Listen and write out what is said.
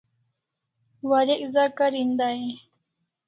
Warek za karin dai e?